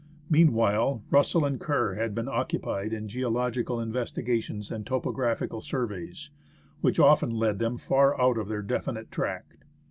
Meanwhile, Russell and Kerr had been occupied in geological investigations and topographical surveys, which often led them far out of their definite track.